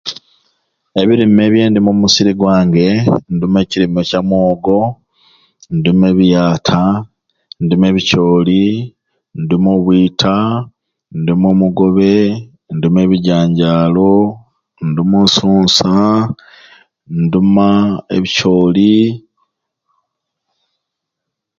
Ebirume byendima omu musiri gwange nduma ekirumye kya mwogo nduma ebiyata nduma ebicooli nduma obwita nduma omugobe nduja ebijanjalo nduma osuunsa nduma ebicooli